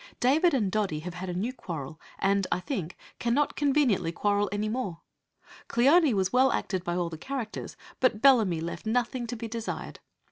David and Doddy have had a new quarrel, and, I think, cannot conveniently quarrel any more. Cleone was well acted by all the characters, but Bellamy left nothing to be desired.